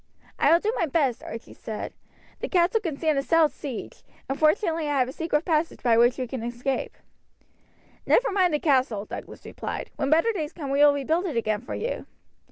"I will do my best," Archie said. "The castle can stand a stout siege; and fortunately I have a secret passage by which we can escape." "Never mind the castle," Douglas replied. "When better days come we will rebuild it again for you."